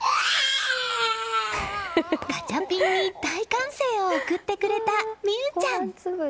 ガチャピンに大歓声を送ってくれた海羽ちゃん。